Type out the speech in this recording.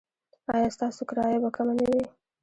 ایا ستاسو کرایه به کمه نه وي؟